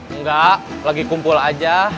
enggak lagi kumpul aja